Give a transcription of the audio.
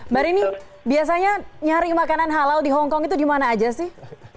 mbak rini biasanya nyari makanan halal di hongkong itu di mana aja sih